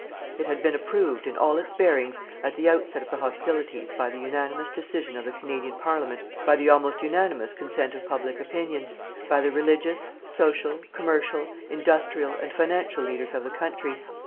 It had been approved, in all its bearings, at the outset of the hostilities by the unanimous decision of the Canadian Parliament, by the almost unanimous consent of public opinion, by the religious, social, commercial, industrial and financial leaders of the country.